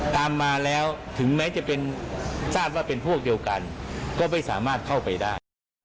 ตามมาแล้วถึงแม้จะเป็นทราบว่าเป็นพวกเดียวกันก็ไม่สามารถเข้าไปได้